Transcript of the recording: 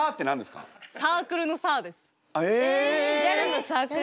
ギャルのサークル？